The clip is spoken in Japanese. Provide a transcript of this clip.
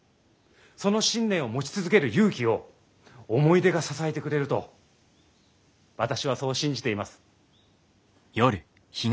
その信念を持ち続ける勇気を思い出が支えてくれると私はそう信じています。